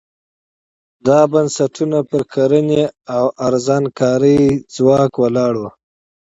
دا بنسټونه پر کرنې او ارزانه کاري ځواک ولاړ وو.